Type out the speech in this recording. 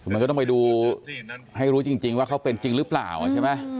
มันก็ต้องไปดูให้รู้จริงว่าเขาเป็นจริงหรือเปล่าใช่ไหม